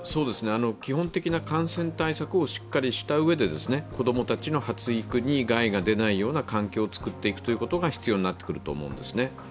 基本的な感染対策をしっかりしたうえで子供たちの発育に害が出ない環境を作っていく必要になってくると思うんですね。